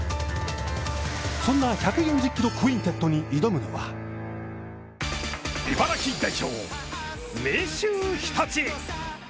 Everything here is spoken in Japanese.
そんな１４０キロクインテットに挑むのは茨城代表・明秀日立。